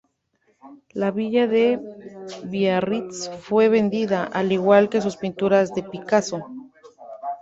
La villa de Biarritz fue vendida, al igual que sus pinturas de Picasso.